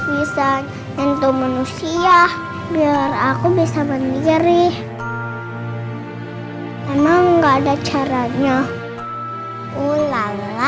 bisa nentu manusia biar aku bisa berdiri emang nggak ada caranya